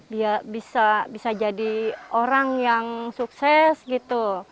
dia bisa jadi orang yang sukses gitu